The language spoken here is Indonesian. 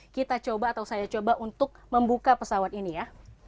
kita coba atau saya coba untuk membuka pesawat ini ya